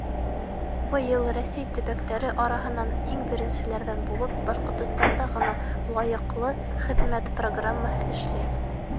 Быйыл Рәсәй төбәктәре араһынан иң беренселәрҙән булып Башҡортостанда ғына «Лайыҡлы хеҙмәт» программаһы эшләй.